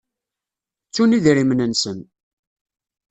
Ttun idrimen-nsen.